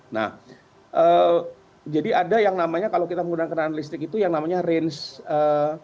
nah jadi ada yang namanya kalau kita menggunakan kendaraan listrik itu yang namanya range